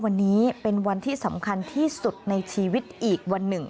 วันนี้เป็นวันที่สำคัญที่สุดในชีวิตอีกวันหนึ่ง